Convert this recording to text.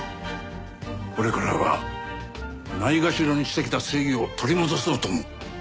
これからはないがしろにしてきた正義を取り戻そうと思う。